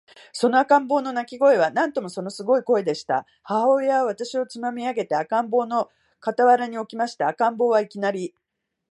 その赤ん坊の泣声は、なんとももの凄い声でした。母親は私をつまみ上げて、赤ん坊の傍に置きました。赤ん坊は、いきなり、